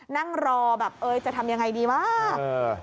นั่งรอจะทำอย่างไรดีมาก